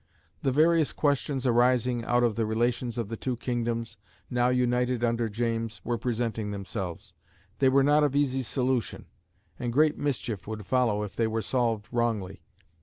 The various questions arising out of the relations of the two kingdoms, now united under James, were presenting themselves. They were not of easy solution, and great mischief would follow if they were solved wrongly.